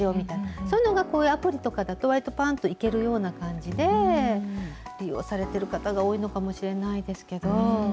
そういうのが、こういうアプリだと、わりと、ぱんといけるような感じで、利用されてる方が多いのかもしれないですけど。